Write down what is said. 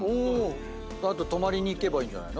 泊まりに行けばいいんじゃないの。